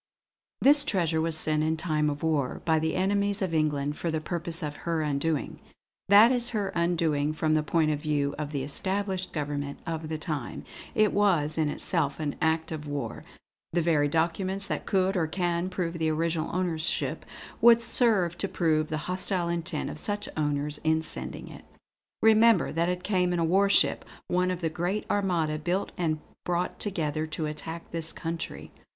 "This treasure was sent, in time of war, by the enemies of England, for the purpose of her undoing that is her undoing from the point of view of the established government of the time. It was in itself an act of war. The very documents that could, or can, prove the original ownership, would serve to prove the hostile intent of such owners in sending it. Remember, that it came in a warship, one of the great Armada built and brought together to attack this country.